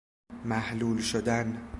محلول شدن